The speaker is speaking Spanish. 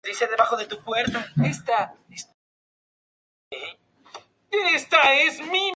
Este modelo daría base el mismo año a la fabricación del Lancia Stratos.